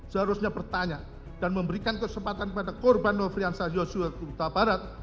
seharusnya bertanya dan memberikan kesempatan kepada korban nofriansah yosua huta barat